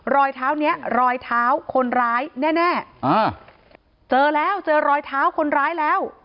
รอยเท้านี้รอยเท้าคนร้ายแน่อ่าเจอแล้วเจอรอยเท้าคนร้ายแล้ว